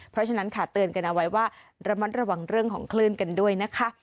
เพราะฉะนั้นค่ะเตือนกันเอาไว้ว่าระมัดระวังเรื่องของคลื่นกันด้วยนะคะ